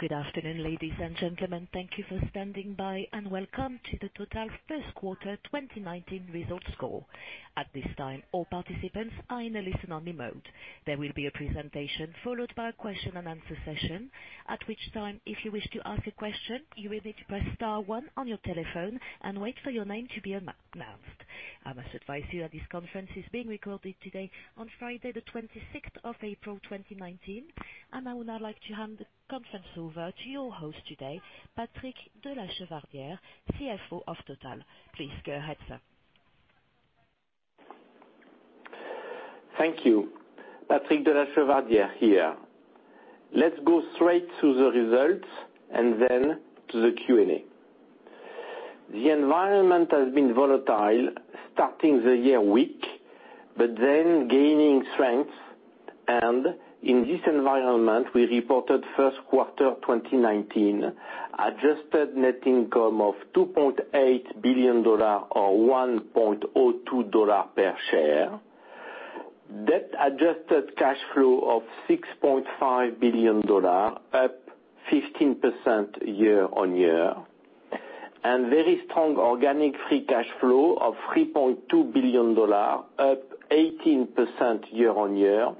Good afternoon, ladies and gentlemen. Thank you for standing by, and welcome to the Total first quarter 2019 results call. At this time, all participants are in a listen-only mode. There will be a presentation followed by a question and answer session, at which time, if you wish to ask a question, you will need to press star one on your telephone and wait for your name to be announced. I must advise you that this conference is being recorded today on Friday the 26th of April 2019, I would now like to hand the conference over to your host today, Patrick de La Chevardière, CFO of Total. Please go ahead, sir. Thank you. Patrick de La Chevardière here. Let's go straight to the results and then to the Q&A. The environment has been volatile, starting the year weak, but then gaining strength. In this environment, we reported first quarter 2019 adjusted net income of $2.8 billion, or $1.02 per share. Debt-adjusted cash flow of $6.5 billion, up 15% year-on-year. Very strong organic free cash flow of $3.2 billion, up 18% year-on-year,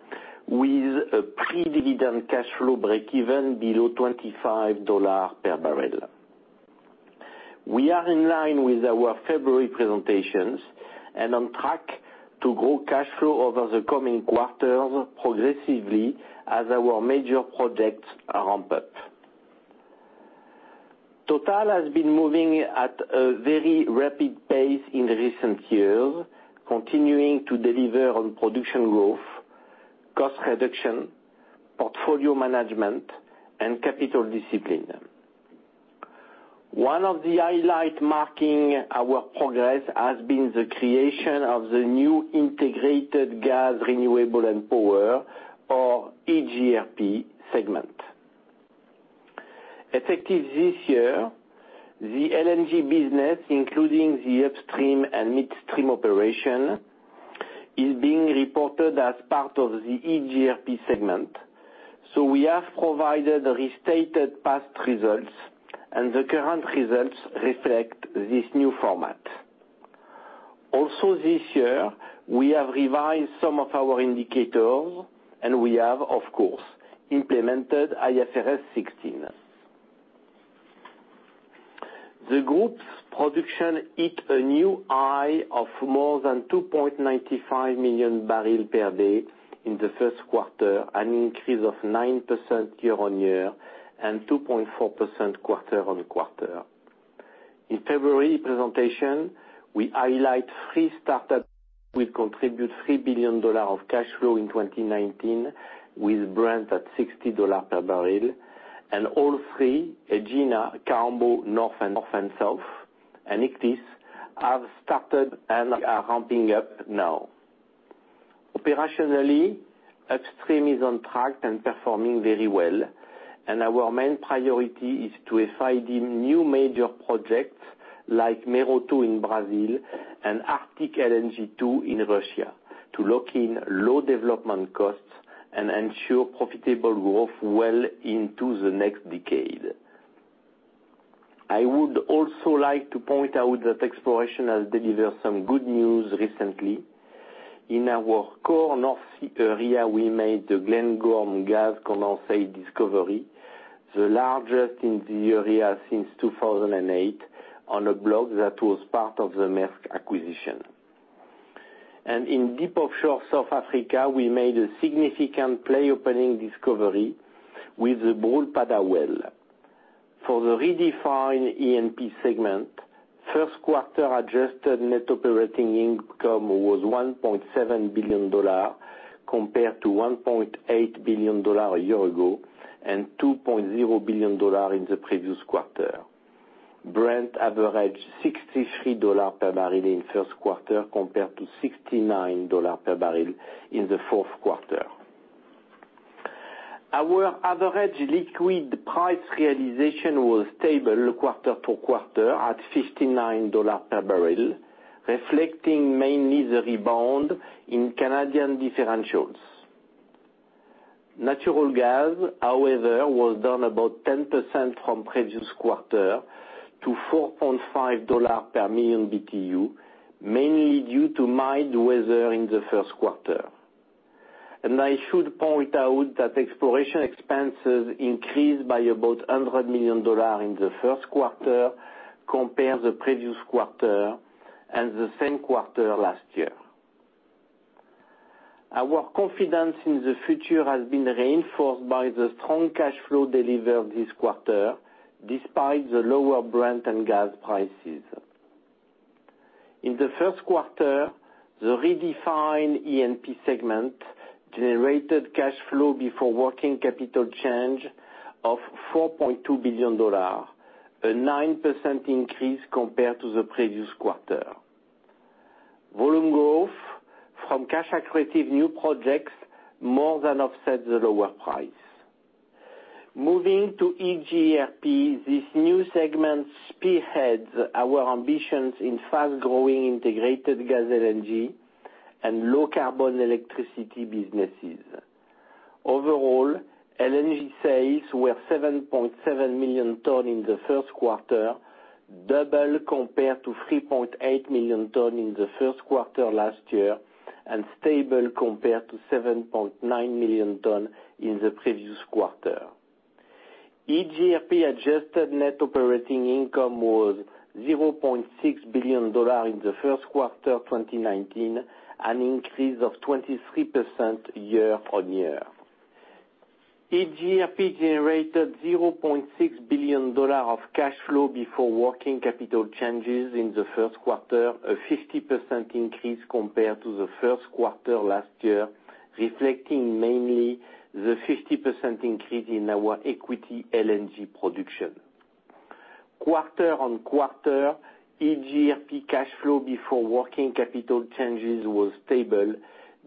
with a pre-dividend cash flow breakeven below $25 per barrel. We are in line with our February presentations and on track to grow cash flow over the coming quarters progressively as our major projects ramp up. Total has been moving at a very rapid pace in recent years, continuing to deliver on production growth, cost reduction, portfolio management, and capital discipline. One of the highlights marking our progress has been the creation of the new Integrated Gas, Renewables & Power, or iGRP segment. Effective this year, the LNG business, including the upstream and midstream operation, is being reported as part of the iGRP segment. We have provided restated past results, and the current results reflect this new format. Also this year, we have revised some of our indicators, and we have, of course, implemented IFRS 16. The group's production hit a new high of more than 2.95 million barrels per day in the first quarter, an increase of 9% year-on-year and 2.4% quarter-on-quarter. In February presentation, we highlight three startups will contribute $3 billion of cash flow in 2019 with Brent at $60 per barrel. All three, Egina, Kaombo North and South, and Ichthys, have started and are ramping up now. Operationally, Upstream is on track and performing very well, and our main priority is to FID new major projects like Mero 2 in Brazil and Arctic LNG 2 in Russia to lock in low development costs and ensure profitable growth well into the next decade. I would also like to point out that exploration has delivered some good news recently. In our core North Sea area, we made the Glengorm gas condensate discovery, the largest in the area since 2008, on a block that was part of the Maersk acquisition. In deep offshore South Africa, we made a significant play-opening discovery with the Brulpadda well. For the redefined E&P segment, first quarter adjusted net operating income was $1.7 billion compared to $1.8 billion a year ago and $2.0 billion in the previous quarter. Brent averaged $63 per barrel in first quarter compared to $69 per barrel in the fourth quarter. Our average liquid price realization was stable quarter to quarter at $59 per barrel, reflecting mainly the rebound in Canadian differentials. Natural gas, however, was down about 10% from previous quarter to $4.5 per million BTU, mainly due to mild weather in the first quarter. I should point out that exploration expenses increased by about $100 million in the first quarter compared the previous quarter and the same quarter last year. Our confidence in the future has been reinforced by the strong cash flow delivered this quarter despite the lower Brent and gas prices. In the first quarter, the redefined E&P segment generated cash flow before working capital change of $4.2 billion, a 9% increase compared to the previous quarter. Volume growth from cash-accretive new projects more than offset the lower price. Moving to EGEP, this new segment spearheads our ambitions in fast-growing integrated gas LNG and low-carbon electricity businesses. Overall, LNG sales were 7.7 million tons in the first quarter, double compared to 3.8 million tons in the first quarter last year, and stable compared to 7.9 million tons in the previous quarter. EGEP adjusted net operating income was $0.6 billion in the first quarter 2019, an increase of 23% year-on-year. EGEP generated $0.6 billion of cash flow before working capital changes in the first quarter, a 50% increase compared to the first quarter last year, reflecting mainly the 50% increase in our equity LNG production. Quarter on quarter, EGEP cash flow before working capital changes was stable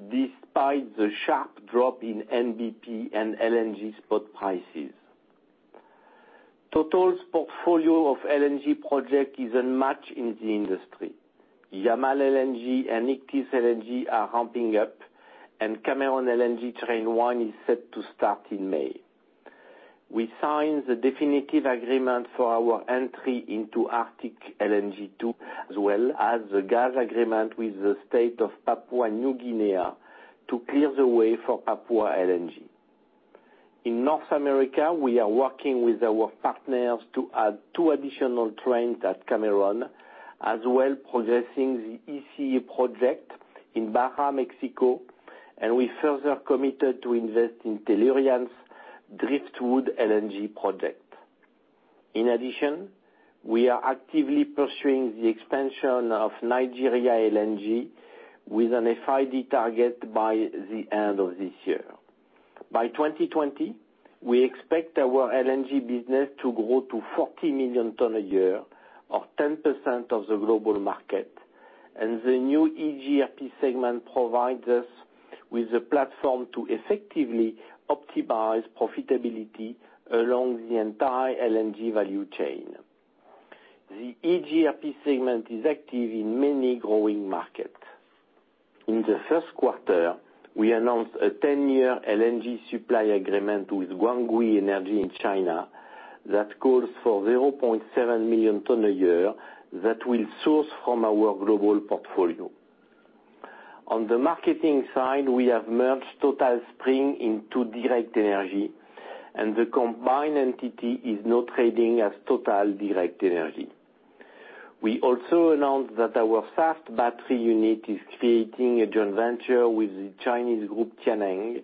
despite the sharp drop in NBP and LNG spot prices. Total's portfolio of LNG project is unmatched in the industry. Yamal LNG and Ichthys LNG are ramping up, and Cameron LNG train 1 is set to start in May. We signed the definitive agreement for our entry into Arctic LNG 2, as well as the gas agreement with the state of Papua New Guinea to clear the way for Papua LNG. In North America, we are working with our partners to add 2 additional trains at Cameron, as well progressing the ECA project in Baja, Mexico, and we further committed to invest in Tellurian's Driftwood LNG project. In addition, we are actively pursuing the expansion of Nigeria LNG with an FID target by the end of this year. By 2020, we expect our LNG business to grow to 40 million tons a year, or 10% of the global market, and the new EGEP segment provides us with a platform to effectively optimize profitability along the entire LNG value chain. The EGEP segment is active in many growing markets. In the first quarter, we announced a ten-year LNG supply agreement with Guanghui Energy in China that calls for 0.7 million tons a year that will source from our global portfolio. On the marketing side, we have merged Total Spring into Direct Energie, and the combined entity is now trading as Total Direct Énergie. We also announced that our Saft battery unit is creating a joint venture with the Chinese group Tianneng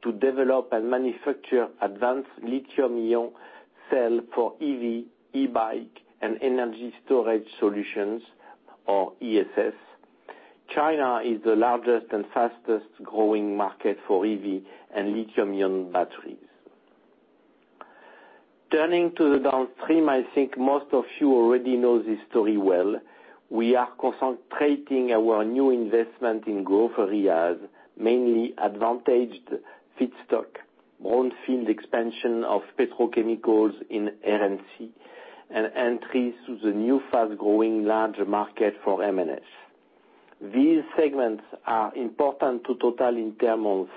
to develop and manufacture advanced lithium-ion cells for EV, e-bike, and energy storage solutions or ESS. China is the largest and fastest-growing market for EV and lithium-ion batteries. Turning to the Downstream, I think most of you already know this story well. We are concentrating our new investment in growth areas, mainly advantaged feedstock, brownfield expansion of petrochemicals in R&C, and entries to the new fast-growing larger market for M&S. These segments are important to Total in terms of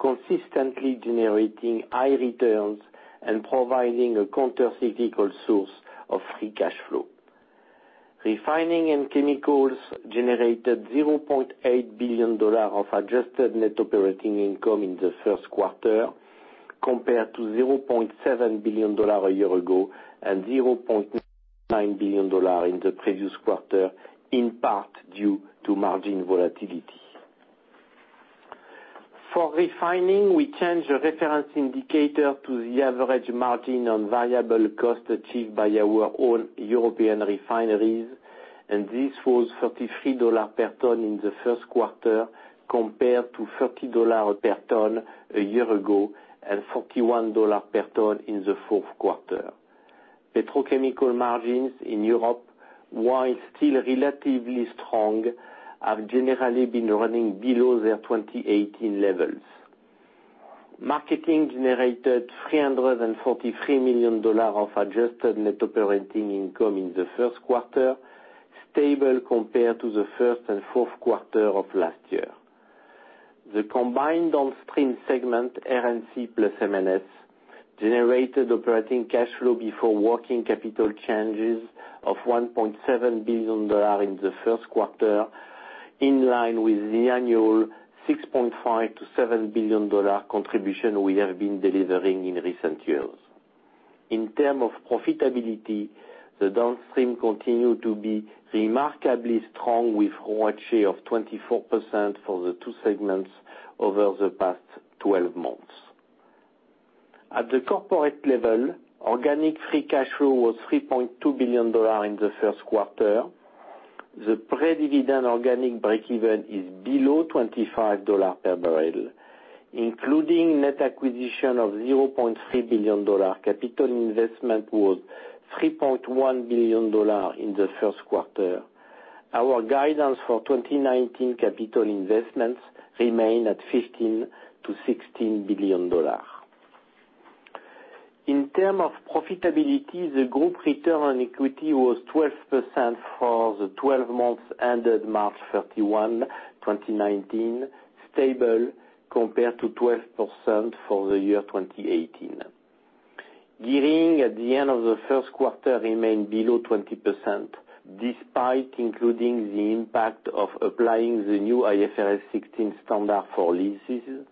consistently generating high returns and providing a countercyclical source of free cash flow. Refining and Chemicals generated $0.8 billion of adjusted net operating income in the first quarter, compared to $0.7 billion a year ago and $0.9 billion in the previous quarter, in part due to margin volatility. For refining, we changed the reference indicator to the average margin on variable cost achieved by our own European refineries, and this was $33 per ton in the first quarter, compared to $30 per ton a year ago and $41 per ton in the fourth quarter. Petrochemical margins in Europe, while still relatively strong, have generally been running below their 2018 levels. Marketing generated $343 million of adjusted net operating income in the first quarter, stable compared to the first and fourth quarter of last year. The combined Downstream segment, R&C plus M&S, generated operating cash flow before working capital changes of $1.7 billion in the first quarter, in line with the annual $6.5 billion to $7 billion contribution we have been delivering in recent years. In term of profitability, the Downstream continued to be remarkably strong with ROACE of 24% for the two segments over the past 12 months. At the corporate level, organic free cash flow was $3.2 billion in the first quarter. The pre-dividend organic breakeven is below $25 per barrel. Including net acquisition of $0.3 billion, capital investment was $3.1 billion in the first quarter. Our guidance for 2019 capital investments remain at $15 billion-$16 billion. In term of profitability, the group return on equity was 12% for the 12 months ended March 31, 2019, stable compared to 12% for the year 2018. Gearing at the end of the first quarter remained below 20%, despite including the impact of applying the new IFRS 16 standard for leases,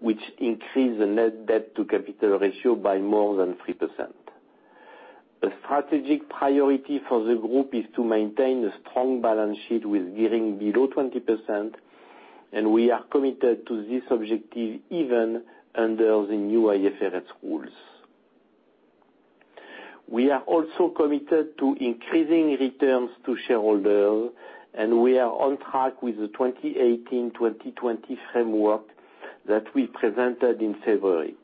which increased the net debt to capital ratio by more than 3%. A strategic priority for the group is to maintain a strong balance sheet with gearing below 20%, we are committed to this objective even under the new IFRS rules. We are also committed to increasing returns to shareholders, we are on track with the 2018, 2020 framework that we presented in February.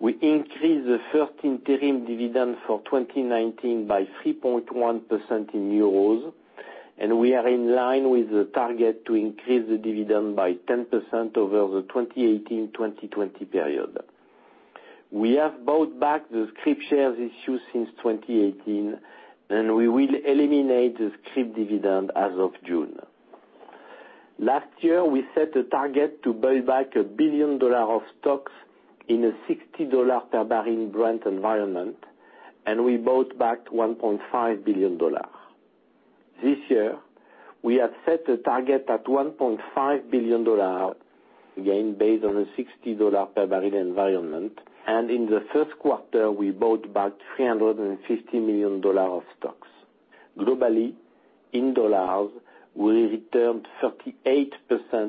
We increased the first interim dividend for 2019 by 3.1% in euros, we are in line with the target to increase the dividend by 10% over the 2018-2020 period. We have bought back the scrip shares issued since 2018, we will eliminate the scrip dividend as of June. Last year, we set a target to buy back $1 billion of stocks in a $60 per barrel Brent environment, we bought back $1.5 billion. This year, we have set a target at $1.5 billion, again, based on a $60 per barrel environment. In the first quarter, we bought back $350 million of stocks. Globally, in dollars, we returned 38%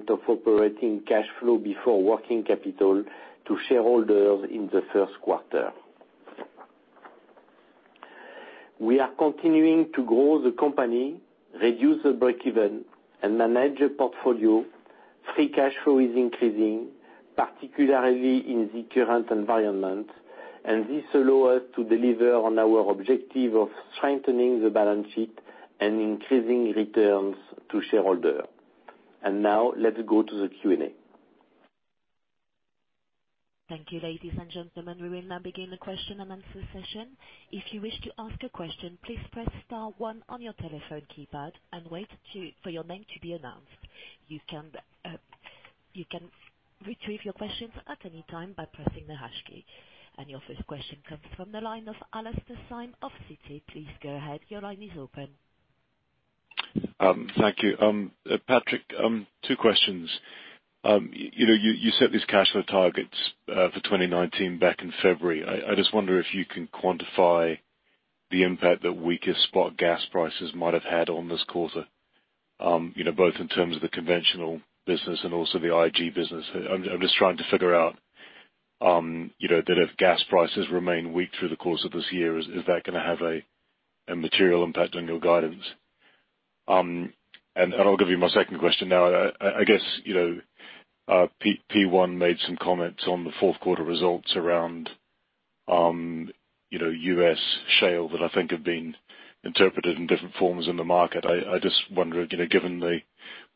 of operating cash flow before working capital to shareholders in the first quarter. We are continuing to grow the company, reduce the break even, and manage a portfolio. Free cash flow is increasing, particularly in the current environment, this allow us to deliver on our objective of strengthening the balance sheet and increasing returns to shareholder. Now let's go to the Q&A. Thank you, ladies and gentlemen. We will now begin the question and answer session. If you wish to ask a question, please press star one on your telephone keypad and wait for your name to be announced. You can retrieve your questions at any time by pressing the hash key. Your first question comes from the line of Alastair Syme of Citi. Please go ahead. Your line is open. Thank you. Patrick, two questions. You set these cash flow targets for 2019 back in February. I just wonder if you can quantify the impact that weaker spot gas prices might have had on this quarter, both in terms of the conventional business and also the IG business. I'm just trying to figure out that if gas prices remain weak through the course of this year, is that going to have a material impact on your guidance? I'll give you my second question now. I guess, P1 made some comments on the fourth quarter results around U.S. shale that I think have been interpreted in different forms in the market. I just wonder, given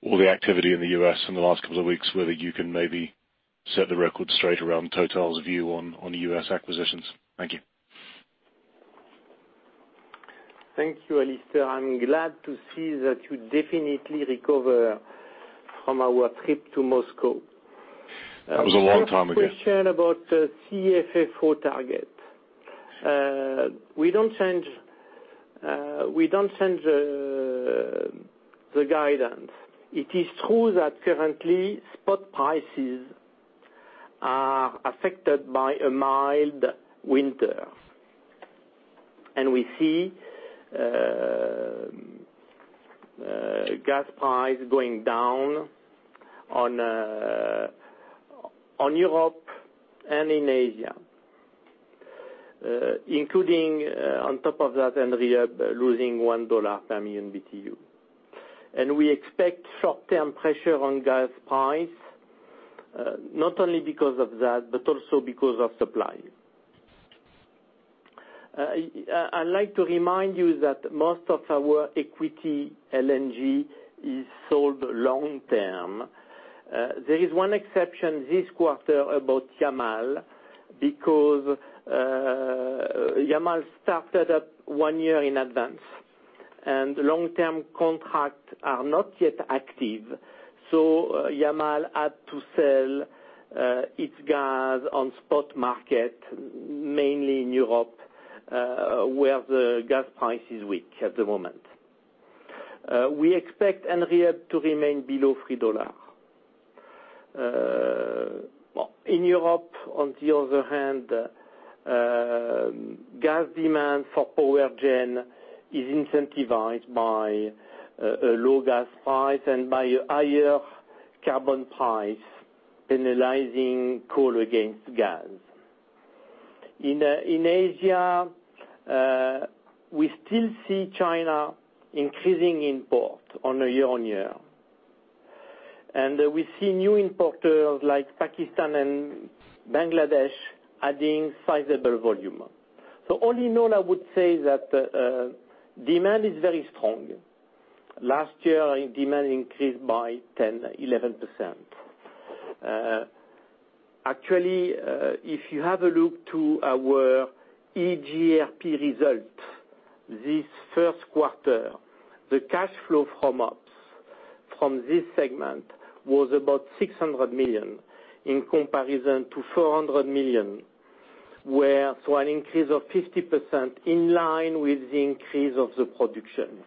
all the activity in the U.S. in the last couple of weeks, whether you can maybe set the record straight around Total's view on U.S. acquisitions. Thank you. Thank you, Alastair. I'm glad to see that you definitely recover from our trip to Moscow. It was a long time ago. A question about the CFFO target. We don't change the guidance. It is true that currently spot prices are affected by a mild winter, and we see gas price going down in Europe and in Asia. Including, on top of that, NREB losing $1 per million BTU. We expect short-term pressure on gas price, not only because of that, but also because of supply. I'd like to remind you that most of our equity LNG is sold long-term. There is one exception this quarter about Yamal because Yamal started up one year in advance, and long-term contracts are not yet active. Yamal had to sell its gas on spot market, mainly in Europe, where the gas price is weak at the moment. We expect NREB to remain below $3. In Europe, on the other hand, gas demand for power gen is incentivized by a low gas price and by a higher carbon price, penalizing coal against gas. In Asia, we still see China increasing import on a year-on-year. We see new importers like Pakistan and Bangladesh adding sizable volume. All in all, I would say that demand is very strong. Last year, demand increased by 10%-11%. Actually, if you have a look to our iGRP result this first quarter, the cash flow from ops from this segment was about 600 million in comparison to 400 million, so an increase of 50% in line with the increase of the production.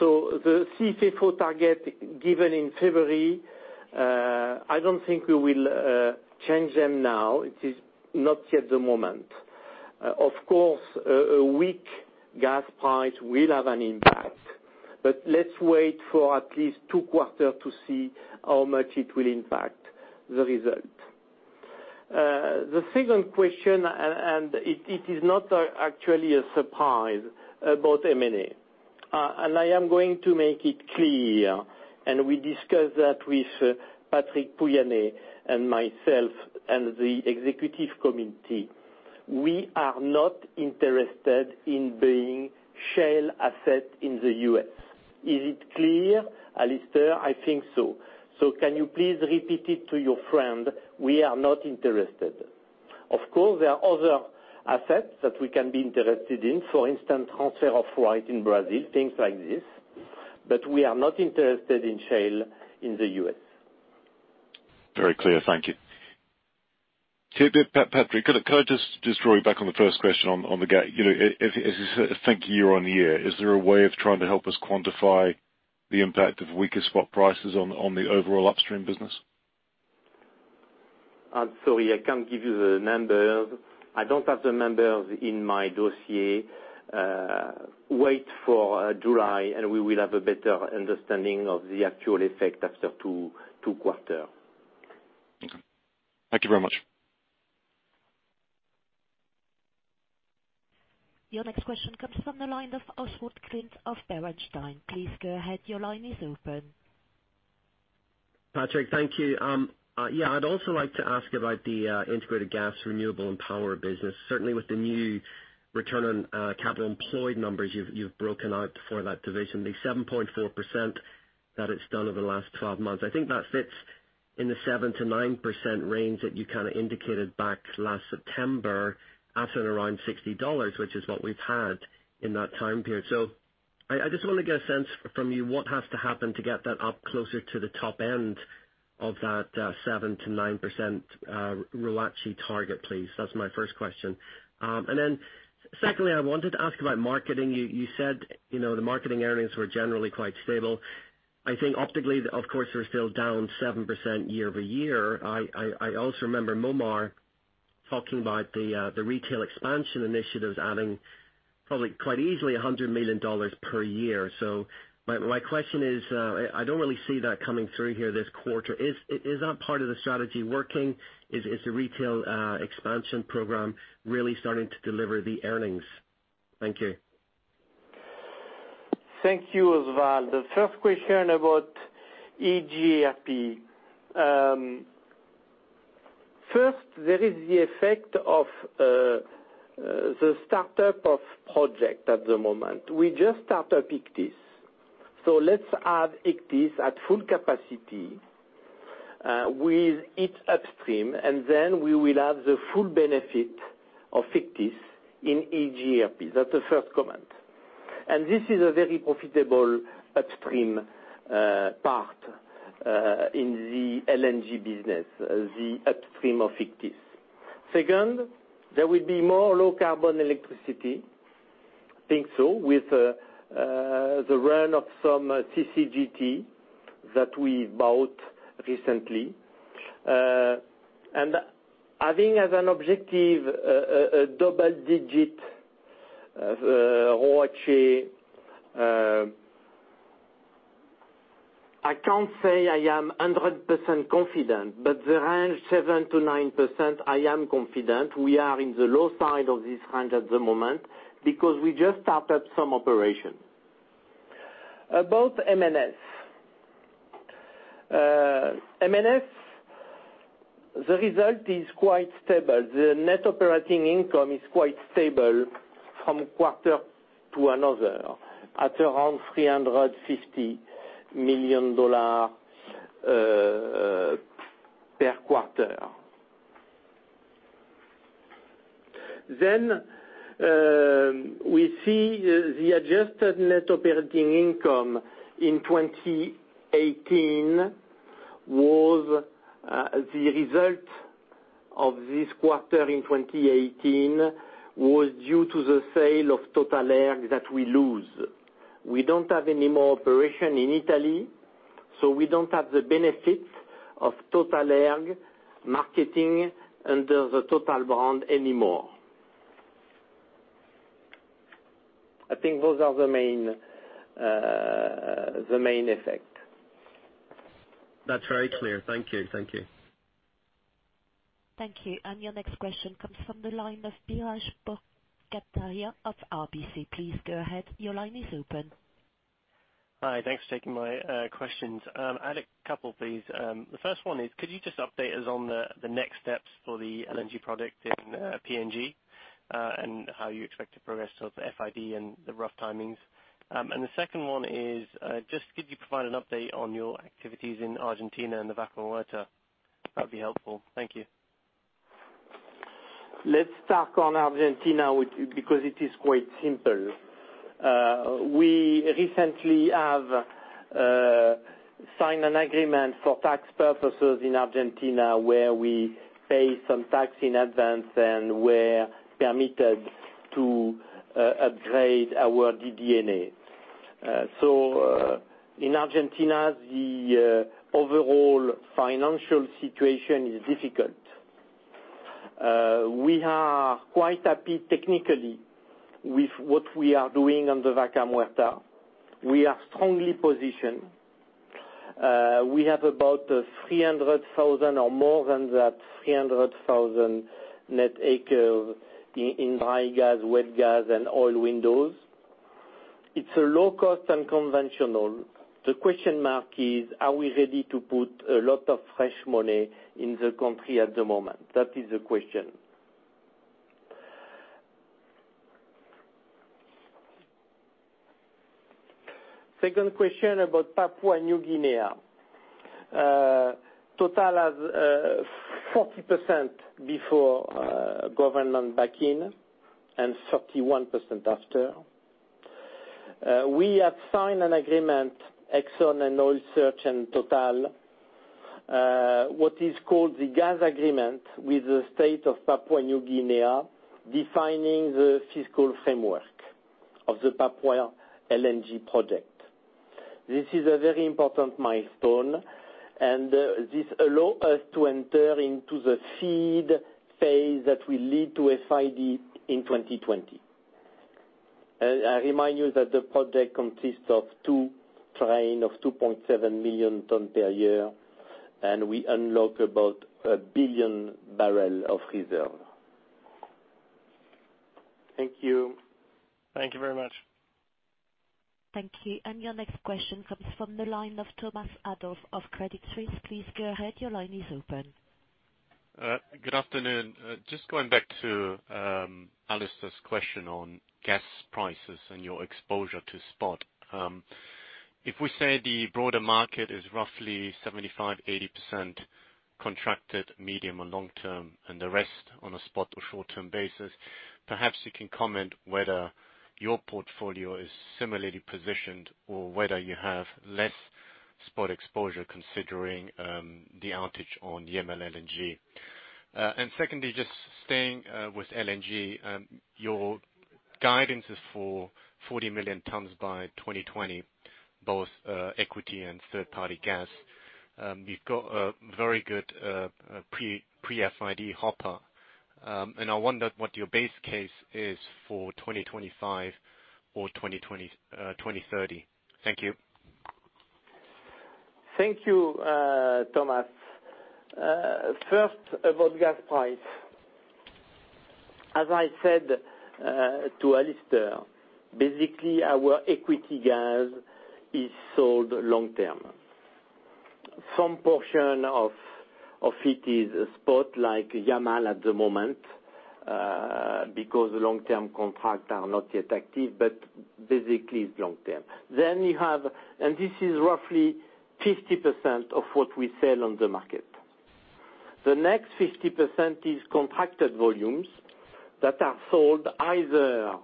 The CFFO target given in February, I don't think we will change them now. It is not yet the moment. Of course, a weak gas price will have an impact, but let's wait for at least two quarters to see how much it will impact the result. The second question, it is not actually a surprise about M&A. I am going to make it clear, and we discussed that with Patrick Pouyanné and myself, and the executive committee. We are not interested in buying shale assets in the U.S. Is it clear, Alastair? I think so. Can you please repeat it to your friend? We are not interested. Of course, there are other assets that we can be interested in, for instance, transfer of rights in Brazil, things like this, but we are not interested in shale in the U.S. Very clear. Thank you. Patrick, could I just throw you back on the first question on the gas. As you think year-on-year, is there a way of trying to help us quantify the impact of weaker spot prices on the overall upstream business? Sorry, I can't give you the numbers. I don't have the numbers in my dossier. Wait for July, we will have a better understanding of the actual effect after two quarters. Okay. Thank you very much. Your next question comes from the line of Oswald Clint of Bernstein. Please go ahead. Your line is open. Patrick, thank you. Yeah, I'd also like to ask about the Integrated Gas, Renewables & Power business, certainly with the new return on capital employed numbers you've broken out for that division. The 7.4% that it's done over the last 12 months. I think that fits in the 7%-9% range that you kind of indicated back last September at and around $60, which is what we've had in that time period. I just want to get a sense from you what has to happen to get that up closer to the top end of that 7%-9% ROACE target, please. That's my first question. Then secondly, I wanted to ask about marketing. You said the marketing earnings were generally quite stable. I think optically, of course, we're still down 7% year-over-year. I also remember Momar talking about the retail expansion initiatives, adding probably quite easily $100 million per year. My question is, I don't really see that coming through here this quarter. Is that part of the strategy working? Is the retail expansion program really starting to deliver the earnings? Thank you. Thank you, Oswald. The first question about iGRP. First, there is the effect of the startup of project at the moment. We just start up Ichthys. Let's have Ichthys at full capacity, with its upstream, then we will have the full benefit of Ichthys in iGRP. That's the first comment. This is a very profitable upstream part in the LNG business, the upstream of Ichthys. Second, there will be more low-carbon electricity. Think so with the run of some CCGT that we bought recently. Having as an objective a double-digit ROACE, I can't say I am 100% confident, but the range 7%-9%, I am confident we are in the low side of this range at the moment because we just started some operation. About M&S. M&S, the result is quite stable. The net operating income is quite stable from quarter to another, at around $350 million per quarter. We see the adjusted net operating income in 2018 was the result of this quarter in 2018 was due to the sale of TotalErg that we lose. We don't have any more operation in Italy, we don't have the benefit of TotalErg marketing under the Total brand anymore. I think those are the main effect. That's very clear. Thank you. Thank you. Your next question comes from the line of Biraj Borkhataria of RBC. Please go ahead. Your line is open. Hi. Thanks for taking my questions. I had a couple, please. The first one is, could you just update us on the next steps for the LNG project in PNG, and how you expect to progress towards FID and the rough timings? The second one is, just could you provide an update on your activities in Argentina and the Vaca Muerta? That'd be helpful. Thank you. Let's start on Argentina, because it is quite simple. We recently have signed an agreement for tax purposes in Argentina, where we pay some tax in advance and we're permitted to upgrade our DD&A. In Argentina, the overall financial situation is difficult. We are quite happy technically with what we are doing on the Vaca Muerta. We are strongly positioned. We have about 300,000 or more than that, 300,000 net acres in dry gas, wet gas, and oil windows. It's a low cost and conventional. The question mark is, are we ready to put a lot of fresh money in the country at the moment? That is the question. Second question about Papua New Guinea. Total has 40% before government back in and 31% after. We have signed an agreement, ExxonMobil and Oil Search and Total, what is called the gas agreement with the state of Papua New Guinea, defining the fiscal framework of the Papua LNG project. This is a very important milestone. This allow us to enter into the FEED phase that will lead to FID in 2020. I remind you that the project consists of two train of 2.7 million ton per year. We unlock about 1 billion barrel of reserve. Thank you. Thank you very much. Thank you. Your next question comes from the line of Thomas Adolff of Credit Suisse. Please go ahead. Your line is open. Good afternoon. Just going back to Alastair's question on gas prices and your exposure to spot. If we say the broader market is roughly 75%-80% contracted medium or long term, and the rest on a spot or short term basis, perhaps you can comment whether your portfolio is similarly positioned or whether you have less spot exposure considering the outage on the Yamal LNG. Secondly, just staying with LNG, your guidance is for 40 million tons by 2020, both equity and third party gas. You've got a very good pre-FID hopper, and I wonder what your base case is for 2025 or 2030. Thank you. Thank you, Thomas. First, about gas price. As I said to Alastair, basically our equity gas is sold long term. Some portion of it is spot like Yamal at the moment, because long term contracts are not yet active, but basically it's long term. Then you have. This is roughly 50% of what we sell on the market. The next 50% is contracted volumes that are sold either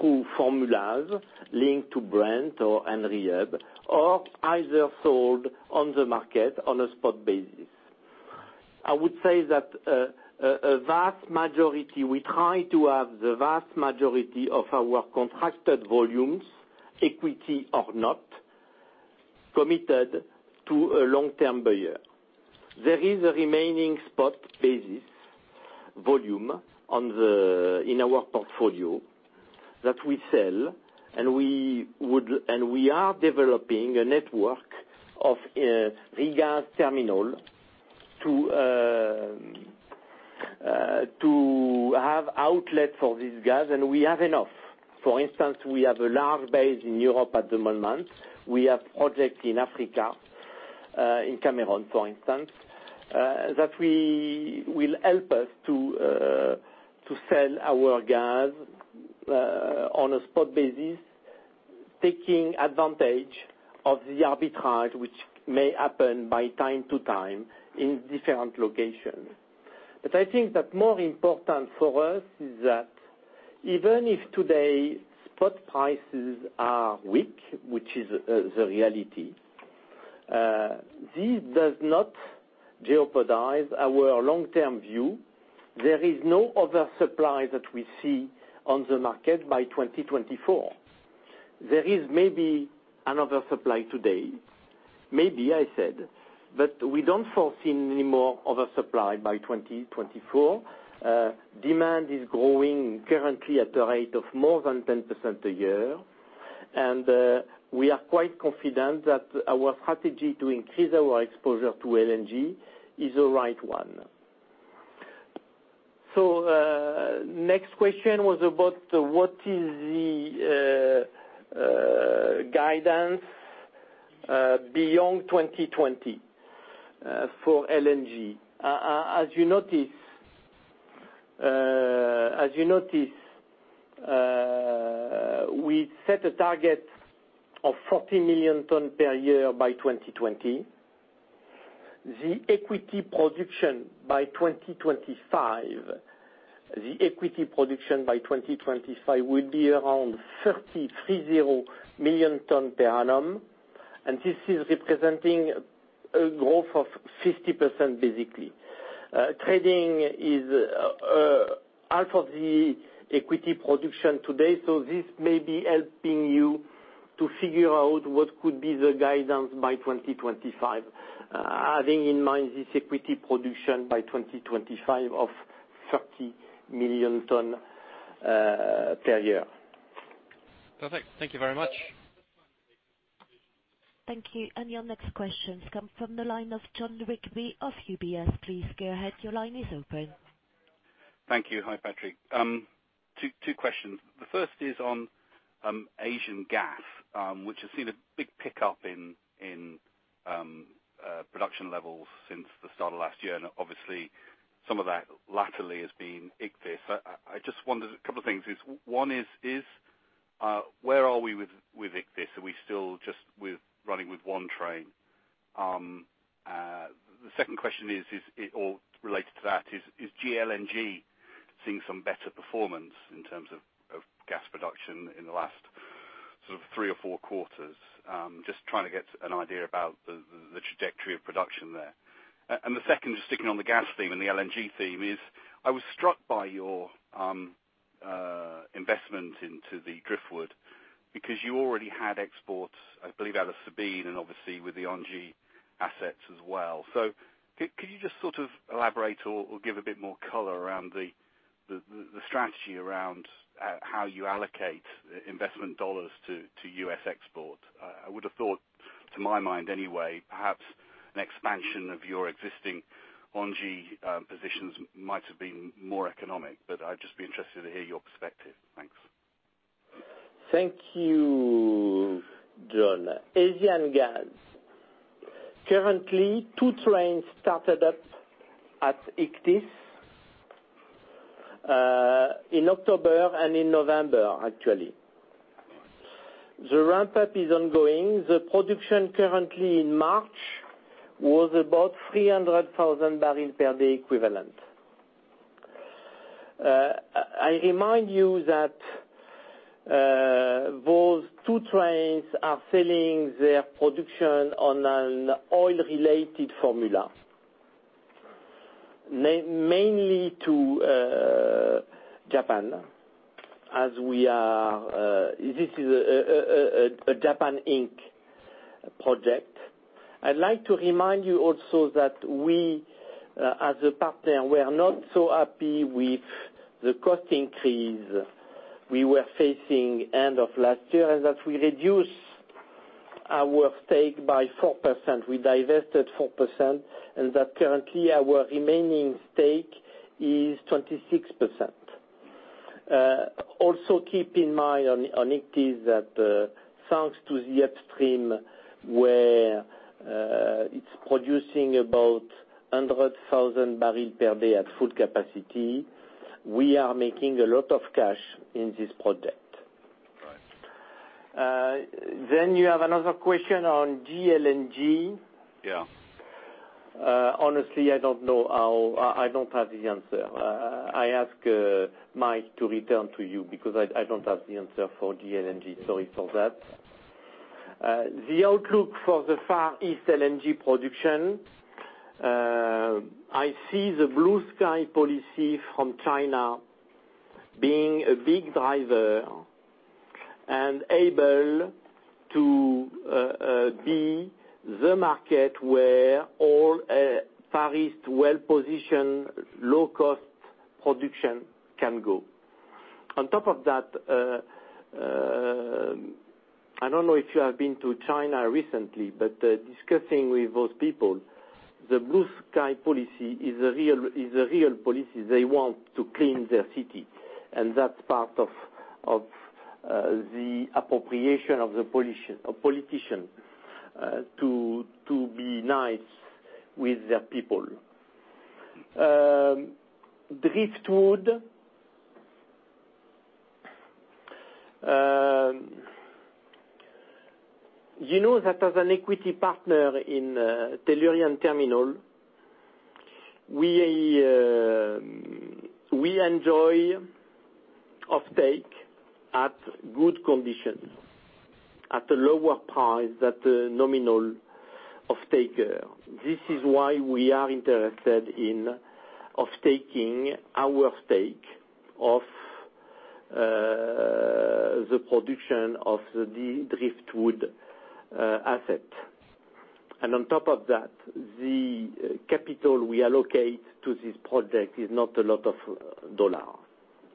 through formulas linked to Brent or NREB, or either sold on the market on a spot basis. I would say that a vast majority, we try to have the vast majority of our contracted volumes, equity or not, committed to a long term buyer. There is a remaining spot basis volume in our portfolio that we sell, and we are developing a network of regas terminal to have outlet for this gas, and we have enough. For instance, we have a large base in Europe at the moment. We have project in Africa, in Cameroon, for instance, that will help us to sell our gas on a spot basis, taking advantage of the arbitrage which may happen by time to time in different locations. I think that more important for us is that even if today spot prices are weak, which is the reality, this does not jeopardize our long-term view. There is no other supply that we see on the market by 2024. There is maybe another supply today, maybe I said, we don't foresee any more oversupply by 2024. Demand is growing currently at the rate of more than 10% a year. We are quite confident that our strategy to increase our exposure to LNG is the right one. Next question was about what is the guidance beyond 2020 for LNG? As you notice, we set a target of 40 million tons per year by 2020. The equity production by 2025 will be around 30 million tons per annum, and this is representing a growth of 50% basically. Trading is half of the equity production today, this may be helping you to figure out what could be the guidance by 2025. Having in mind this equity production by 2025 of 30 million tons per year. Perfect. Thank you very much. Thank you. Your next question comes from the line of Jon Rigby of UBS. Please go ahead. Your line is open. Thank you. Hi, Patrick. Two questions. The first is on Asian gas, which has seen a big pickup in production levels since the start of last year, and obviously, some of that laterally has been Ichthys. I just wondered a couple of things is, one is where are we with Ichthys? Are we still just with running with one train? The second question is, or related to that is GLNG seeing some better performance in terms of gas production in the last sort of three or four quarters? Just trying to get an idea about the trajectory of production there. The second is sticking on the gas theme and the LNG theme is, I was struck by your investment into the Driftwood because you already had exports, I believe out of Sabine and obviously with the LNG assets as well. Could you just sort of elaborate or give a bit more color around the strategy around how you allocate investment dollars to U.S. export? I would have thought, to my mind anyway, perhaps an expansion of your existing ONG positions might have been more economic, but I'd just be interested to hear your perspective. Thanks. Thank you, Jon. Asian gas. Currently, two trains started up at Ichthys in October and in November, actually. The ramp-up is ongoing. The production currently in March was about 300,000 barrels per day equivalent. I remind you that, those two trains are selling their production on an oil-related formula. Mainly to Japan, as this is a Japan Inc. project. I'd like to remind you also that we, as a partner, we are not so happy with the cost increase we were facing end of last year, and that we reduced our stake by 4%. We divested 4%, and that currently our remaining stake is 26%. Also keep in mind on Ichthys that, thanks to the upstream, where it's producing about 100,000 barrels per day at full capacity, we are making a lot of cash in this project. Right. You have another question on GLNG. Yeah. Honestly, I don't know how I don't have the answer. I ask Mike to return to you because I don't have the answer for GLNG. Sorry for that. The outlook for the Far East LNG production, I see the blue sky policy from China being a big driver and able to be the market where all Far East well-positioned, low-cost production can go. On top of that, I don't know if you have been to China recently, but discussing with those people, the blue sky policy is a real policy. They want to clean their city, and that's part of the appropriation of the politician, to be nice with their people. Driftwood. You know that as an equity partner in Tellurian Terminal, we enjoy off-take at good conditions, at a lower price than the nominal off-taker. This is why we are interested in off-taking our stake of the production of the Driftwood asset. On top of that, the capital we allocate to this project is not a lot of dollar.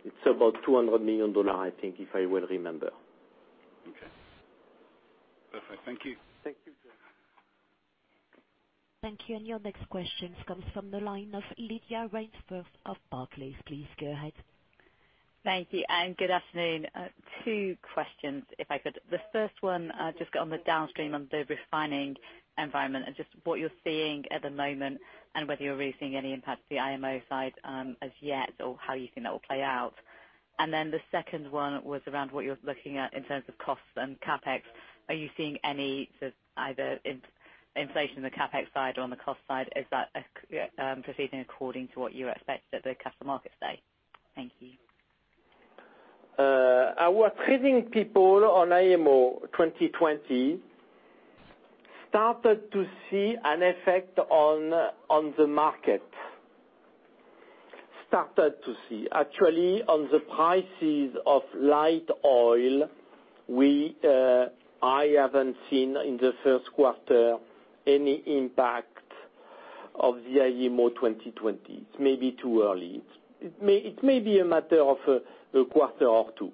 It's about EUR 200 million, I think, if I will remember. Okay. Perfect. Thank you. Thank you. Thank you. Your next question comes from the line of Lydia Rainforth of Barclays. Please go ahead. Thank you. Good afternoon. Two questions, if I could. The first one, just on the downstream on the refining environment and just what you're seeing at the moment and whether you're really seeing any impact to the IMO side as yet or how you think that will play out. The second one was around what you're looking at in terms of costs and CapEx. Are you seeing any sort of either inflation on the CapEx side or on the cost side? Is that proceeding according to what you expect at the current market state? Thank you. Our trading people on IMO 2020 started to see an effect on the market. Actually, on the prices of light oil, I haven't seen in the first quarter any impact of the IMO 2020. It's maybe too early. It may be a matter of a quarter or two.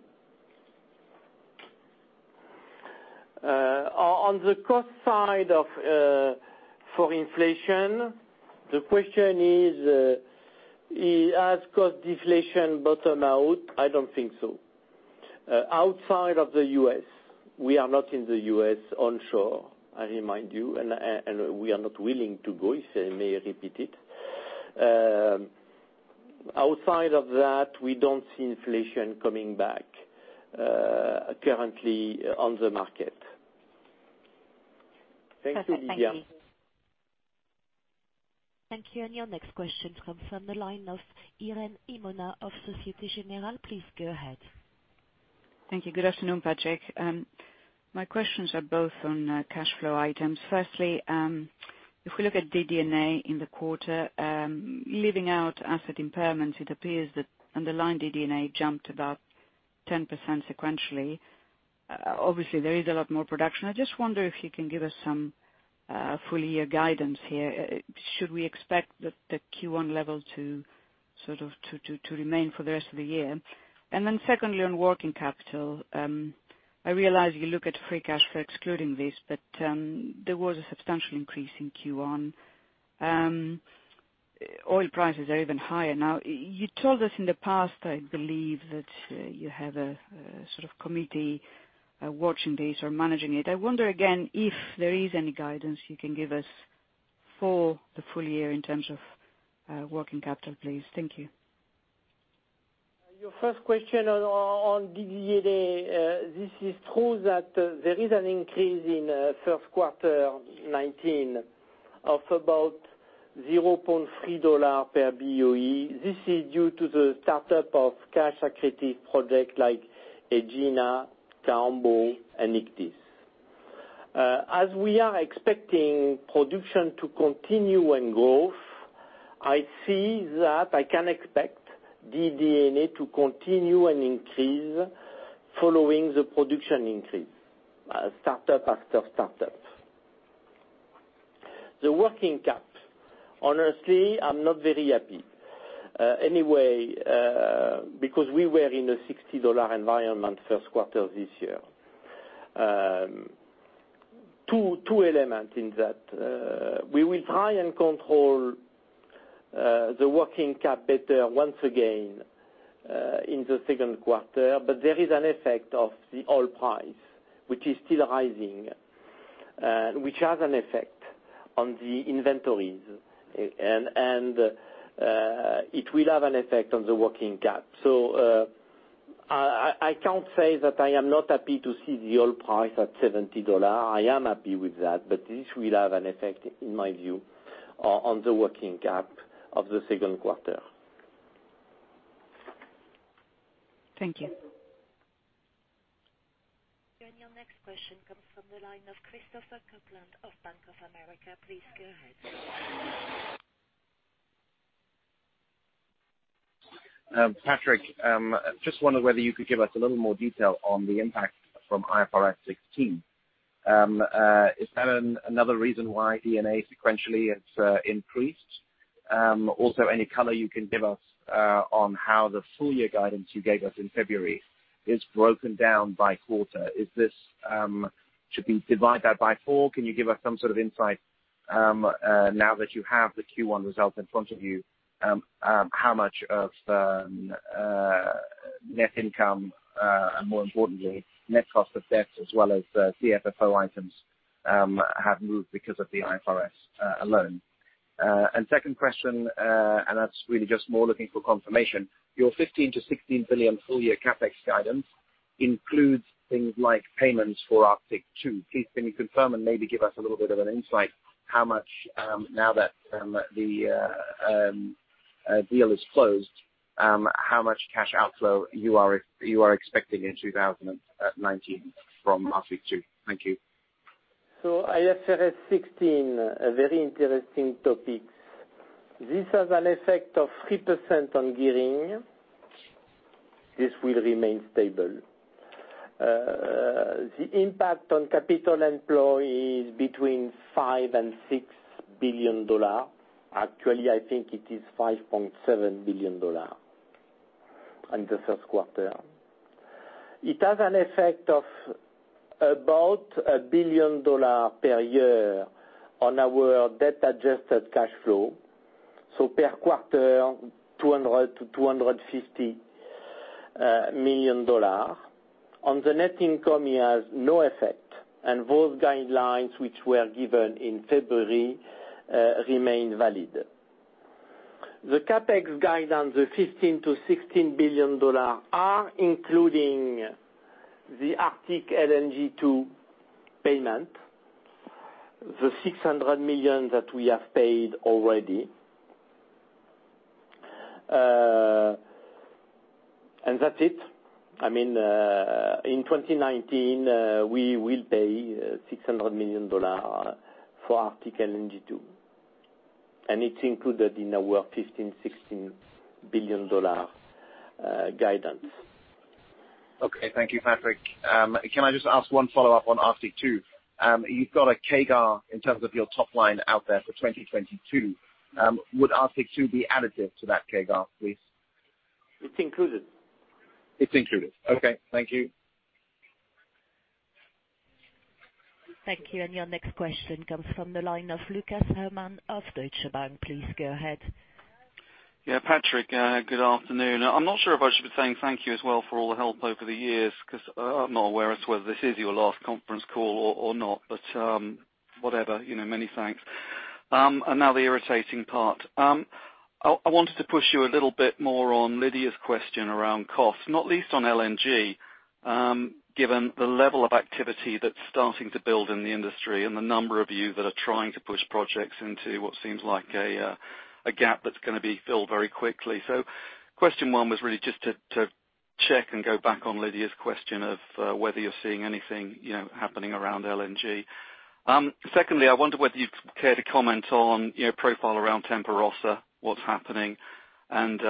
On the cost side for inflation, the question is, has cost deflation bottomed out? I don't think so. Outside of the U.S., we are not in the U.S. onshore, I remind you. We are not willing to go, if I may repeat it. Outside of that, we don't see inflation coming back currently on the market. Thank you, Lydia. Perfect. Thank you. Thank you. Your next question comes from the line of Irene Himona of Société Générale. Please go ahead. Thank you. Good afternoon, Patrick. My questions are both on cash flow items. Firstly, if we look at DD&A in the quarter, leaving out asset impairments, it appears that underlying DD&A jumped about 10% sequentially. Obviously, there is a lot more production. I just wonder if you can give us some full-year guidance here. Should we expect the Q1 level to remain for the rest of the year? Secondly, on working capital, I realize you look at free cash flow excluding this, but there was a substantial increase in Q1. Oil prices are even higher now. You told us in the past, I believe, that you have a sort of committee watching this or managing it. I wonder again if there is any guidance you can give us for the full year in terms of working capital, please. Thank you. Your first question on DD&A, this is true that there is an increase in first quarter 2019 of about $0.3 per BOE. This is due to the startup of cash-accretive project like Egina, Tambo, and Ichthys. As we are expecting production to continue and grow, I see that I can expect DD&A to continue and increase following the production increase, startup after startup. The working cap. Honestly, I'm not very happy. Anyway, because we were in a $60 environment first quarter of this year. Two elements in that. We will try and control the working cap better once again in the second quarter, but there is an effect of the oil price, which is still rising, which has an effect on the inventories. It will have an effect on the working cap. I can't say that I am not happy to see the oil price at $70. I am happy with that, this will have an effect, in my view, on the working cap of the second quarter. Thank you. Your next question comes from the line of Christopher Kuplent of Bank of America. Please go ahead. Patrick, just wondered whether you could give us a little more detail on the impact from IFRS 16. Is that another reason why DD&A sequentially has increased? Also, any color you can give us on how the full year guidance you gave us in February is broken down by quarter? Should we divide that by four? Can you give us some sort of insight, now that you have the Q1 results in front of you, how much of net income, and more importantly, net cost of debt as well as CFFO items have moved because of the IFRS alone? Second question, and that's really just more looking for confirmation. Your 15 billion-16 billion full year CapEx guidance includes things like payments for Arctic II. Please can you confirm and maybe give us a little bit of an insight how much, now that the deal is closed, how much cash outflow you are expecting in 2019 from Arctic II? Thank you. IFRS 16, a very interesting topic. This has an effect of 3% on gearing. This will remain stable. The impact on capital employed is between $5 billion and $6 billion. Actually, I think it is $5.7 billion in the first quarter. It has an effect of about $1 billion per year on our debt-adjusted cash flow, so per quarter, $200 million-$250 million. On the net income, it has no effect. Those guidelines which were given in February remain valid. The CapEx guidance of $15 billion-$16 billion are including the Arctic LNG 2 payment, the $600 million that we have paid already. That's it. In 2019, we will pay $600 million for Arctic LNG 2. It's included in our $15 billion-$16 billion guidance. Okay. Thank you, Patrick. Can I just ask one follow-up on Arctic 2? You've got a CAGR in terms of your top line out there for 2022. Would Arctic 2 be additive to that CAGR, please? It's included. It's included. Okay. Thank you. Thank you. Your next question comes from the line of Lucas Herrmann of Deutsche Bank. Please go ahead. Yeah, Patrick, good afternoon. I'm not sure if I should be saying thank you as well for all the help over the years, because I'm not aware as to whether this is your last conference call or not. Whatever, many thanks. Now the irritating part. I wanted to push you a little bit more on Lydia's question around cost, not least on LNG, given the level of activity that's starting to build in the industry and the number of you that are trying to push projects into what seems like a gap that's going to be filled very quickly. Question one was really just to check and go back on Lydia's question of whether you're seeing anything happening around LNG. Secondly, I wonder whether you'd care to comment on your profile around Tempa Rossa, what's happening, and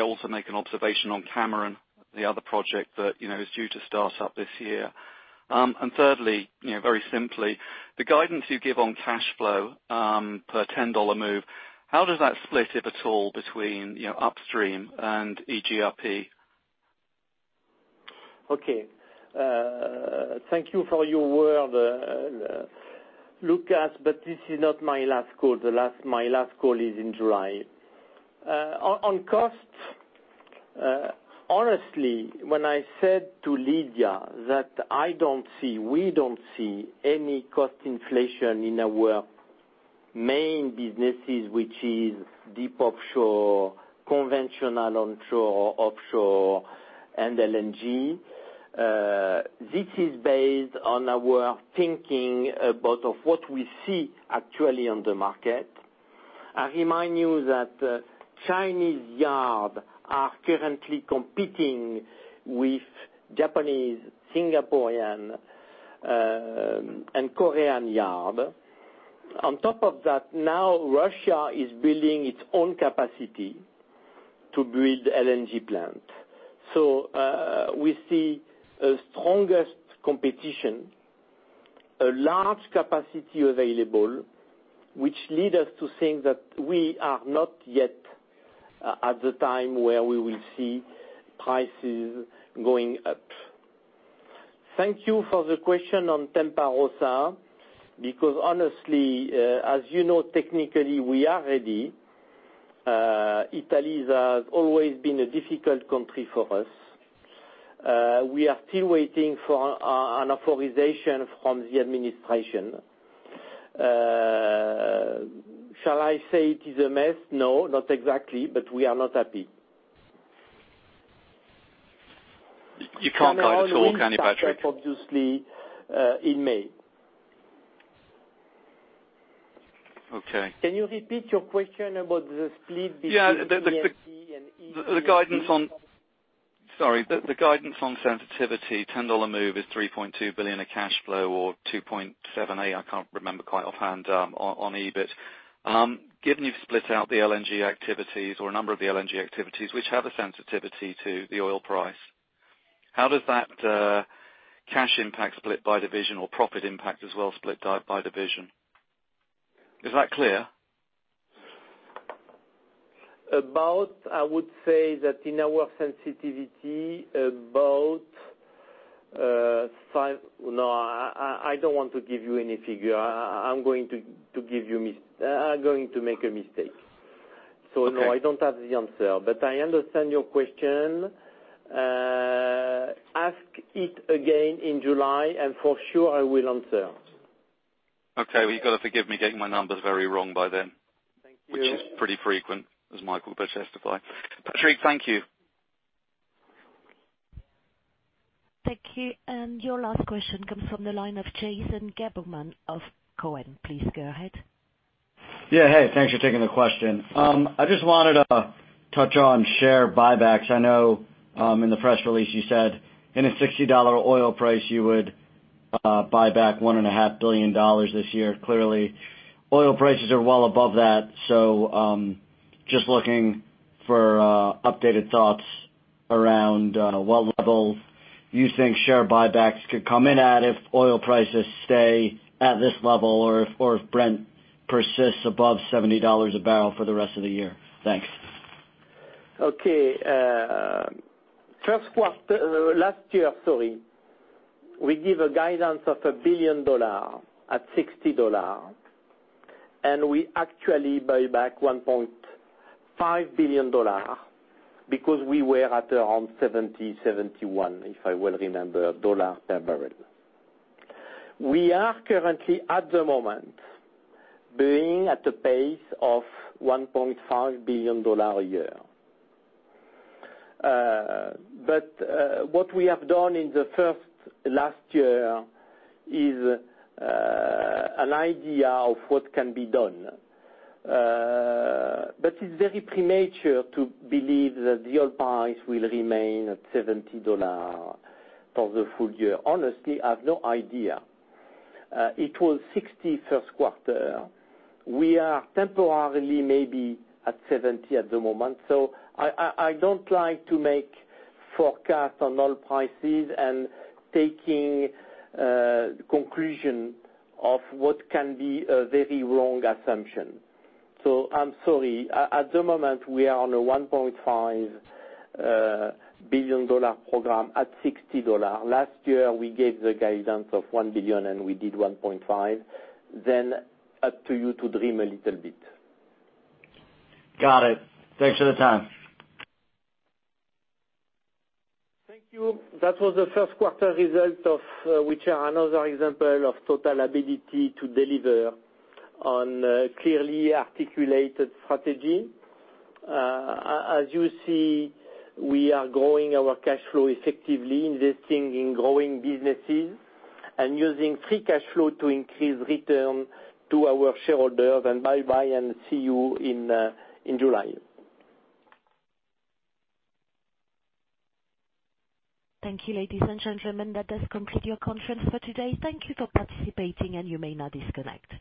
also make an observation on Cameron, the other project that is due to start up this year. Thirdly, very simply, the guidance you give on cash flow, per $10 move, how does that split, if at all, between upstream and iGRP? Okay. Thank you for your word, Lucas, this is not my last call. My last call is in July. On cost, honestly, when I said to Lydia that we don't see any cost inflation in our main businesses, which is deep offshore, conventional onshore, offshore, and LNG. This is based on our thinking about what we see actually on the market. I remind you that Chinese yard are currently competing with Japanese, Singaporean, and Korean yard. On top of that, now Russia is building its own capacity to build LNG plant. We see a strongest competition, a large capacity available, which lead us to think that we are not yet at the time where we will see prices going up. Thank you for the question on Tempa Rossa because honestly, as you know, technically, we are ready. Italy has always been a difficult country for us. We are still waiting for an authorization from the administration. Shall I say it is a mess? No, not exactly, but we are not happy. You can't like it at all, can you, Patrick? Obviously, in May. Okay. Can you repeat your question about the split between- Yeah LNG and iGRP? Sorry. The guidance on sensitivity, $10 move is $3.2 billion of cash flow or $2.78, I can't remember quite offhand, on EBIT. Given you've split out the LNG activities or a number of the LNG activities which have a sensitivity to the oil price, how does that cash impact split by division or profit impact as well split by division? Is that clear? No, I don't want to give you any figure. I'm going to make a mistake. Okay. No, I don't have the answer, but I understand your question. Ask it again in July, and for sure, I will answer. Okay. Well, you've got to forgive me getting my numbers very wrong by then. Thank you. Which is pretty frequent, as Mike could testify. Patrick, thank you. Thank you. Your last question comes from the line of Jason Gabelman of Cowen. Please go ahead. Yeah. Hey, thanks for taking the question. I just wanted to touch on share buybacks. I know, in the press release, you said in a $60 oil price, you would buy back $1.5 billion this year. Clearly, oil prices are well above that. Just looking for updated thoughts around what level you think share buybacks could come in at if oil prices stay at this level, or if Brent persists above $70 a barrel for the rest of the year. Thanks. Okay. Last year, we give a guidance of $1 billion at $60, and we actually buy back $1.5 billion because we were at around $70, $71, if I will remember, dollar per barrel. We are currently, at the moment, being at a pace of $1.5 billion a year. What we have done in the first last year is an idea of what can be done. It's very premature to believe that the oil price will remain at $70 for the full year. Honestly, I have no idea. It was $60 first quarter. We are temporarily maybe at $70 at the moment. I don't like to make forecast on oil prices and taking conclusion of what can be a very wrong assumption. I'm sorry. At the moment, we are on a $1.5 billion program at $60. Last year, we gave the guidance of $1 billion, and we did $1.5 billion. Up to you to dream a little bit. Got it. Thanks for the time. Thank you. That was the first quarter result of which are another example of Total ability to deliver on a clearly articulated strategy. As you see, we are growing our cash flow, effectively investing in growing businesses and using free cash flow to increase return to our shareholders. Bye-bye and see you in July. Thank you, ladies and gentlemen. That does conclude your conference for today. Thank you for participating, and you may now disconnect.